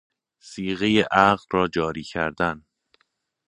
صیغه عقد را جاری کردن